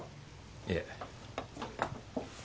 いえ。